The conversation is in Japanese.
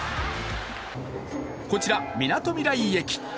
こちら、みなとみらい駅。